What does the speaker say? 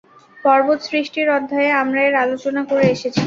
পর্বত সৃষ্টির অধ্যায়ে আমরা এর আলোচনা করে এসেছি।